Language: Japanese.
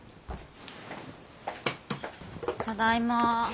ただいま。